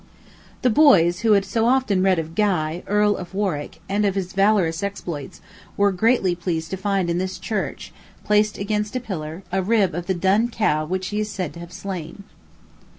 The boys, who had so often read of Guy, Earl of Warwick, and of his valorous exploits, were greatly pleased to find in this church, placed against a pillar, a rib of the Dun cow which he is said to have slain.